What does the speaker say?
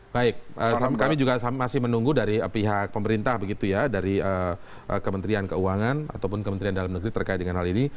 baik kami juga masih menunggu dari pihak pemerintah begitu ya dari kementerian keuangan ataupun kementerian dalam negeri terkait dengan hal ini